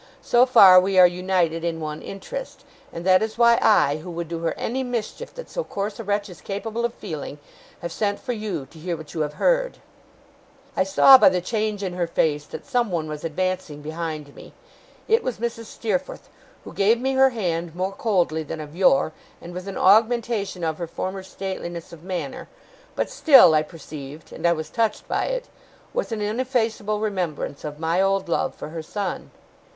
So far, we are united in one interest; and that is why I, who would do her any mischief that so coarse a wretch is capable of feeling, have sent for you to hear what you have heard.' I saw, by the change in her face, that someone was advancing behind me. It was Mrs. Steerforth, who gave me her hand more coldly than of yore, and with an augmentation of her former stateliness of manner, but still, I perceived and I was touched by it with an ineffaceable remembrance of my old love for her son.